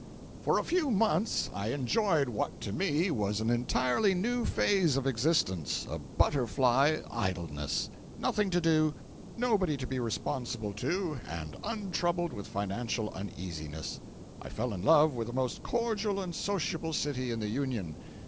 For a few months I enjoyed what to me was an entirely new phase of existence—a butterfly idleness; nothing to do, nobody to be responsible to, and untroubled with financial uneasiness. I fell in love with the most cordial and sociable city in the Union.